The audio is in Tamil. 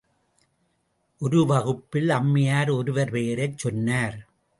ஒரு வகுப்பில் அம்மையார் ஒருவர் பெயரைச் சொன்னார்.